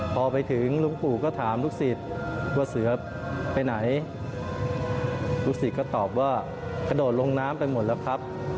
พอไปถึงลุงปู่ก็ถามลูกศิษย์ว่าเสือไปไหนลูกศิษย์ก็ตอบว่ากระโดดลงน้ำไปหมดแล้วครับ